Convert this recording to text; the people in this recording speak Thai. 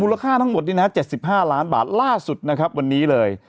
ค่าทั้งหมดนี้นะ๗๕ล้านบาทล่าสุดนะครับวันนี้เลย